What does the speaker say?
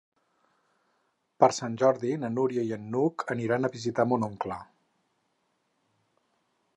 Per Sant Jordi na Núria i n'Hug aniran a visitar mon oncle.